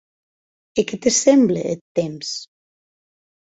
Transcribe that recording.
E qué te semble eth temps?